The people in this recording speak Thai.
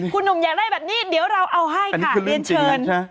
คุณหนุ่มอยากได้แบบนี้เดี๋ยวเราเอาให้ค่ะเรียนเชิญ